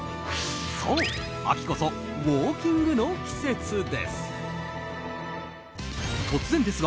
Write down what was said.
そう、秋こそウォーキングの季節です。